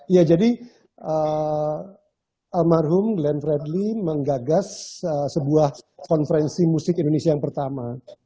ya jadi almarhum glenn fredly menggagas sebuah konferensi musik indonesia yang pertama